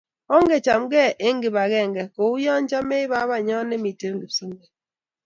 Ongechamgei eng kibangenge kouyo chamet babanyo nemitei Kipswenget